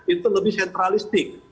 itu lebih sentralistik